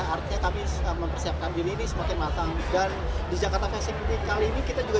artinya kami mempersiapkan diri ini semakin matang dan di jakarta fashing week kali ini kita juga